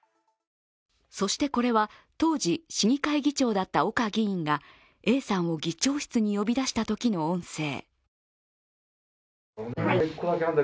そしてこれは当時、市議会議長だった岡議員がＡさんを議長室に呼び出したときの音声。